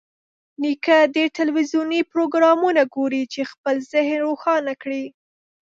نیکه ډېر تلویزیوني پروګرامونه ګوري چې خپل ذهن روښانه کړي.